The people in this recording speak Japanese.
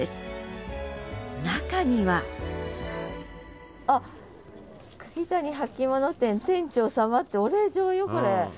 中にはあっ「くぎたに履物店店長様」ってお礼状よこれ。